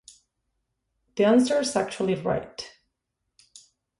The answer's actually right.